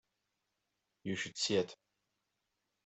You should see it.